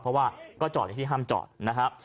เพราะว่าก็จอดอยู่ที่ห้ามจอดนะครับ